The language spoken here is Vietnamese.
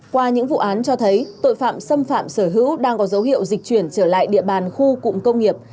qua những vụ án cho thấy tội phạm xâm phạm sở hữu đang có dấu hiệu dịch chuyển trở lại địa bàn khu cụm công nghiệp